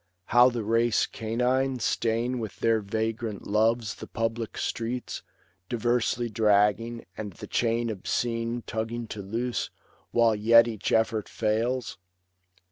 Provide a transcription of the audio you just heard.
how the race canine Stain with their vagrant loves the public streets, Diversely dragging, and the chain obscene Tugging to loose, while yet each effort fails